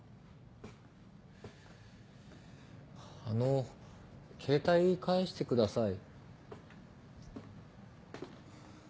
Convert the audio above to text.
あの携帯返してください。